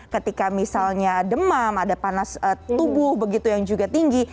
ketika misalnya demam ada panas tubuh begitu yang juga tinggi